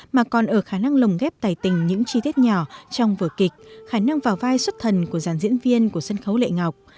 mà còn ở khả năng lồng ghép tài tình những chi tiết nhỏ trong vở kịch khả năng vào vai xuất thần của giàn diễn viên của sân khấu lệ ngọc